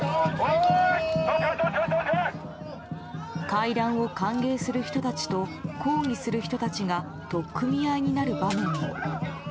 会談を歓迎する人たちと抗議する人たちが取っ組み合いになる場面も。